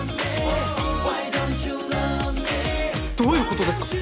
どういう事ですか！？